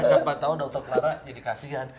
siapa tahu dr clara jadi kasihan